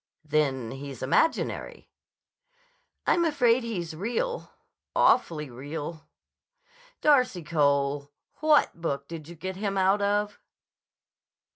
"Then he's imaginary." "I'm afraid he's real. Awfully real." "Darcy Cole; what book did you get him out of?"